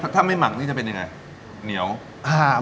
ถ้าไม่หมักนี่จะเป็นยังไง